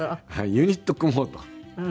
ユニット組もうと。